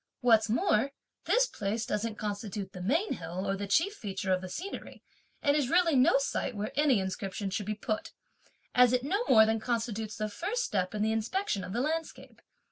What's more, this place doesn't constitute the main hill or the chief feature of the scenery, and is really no site where any inscription should be put, as it no more than constitutes the first step in the inspection of the landscape.